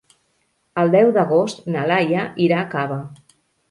El deu d'agost na Laia irà a Cava.